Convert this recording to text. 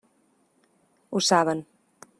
Ho saben.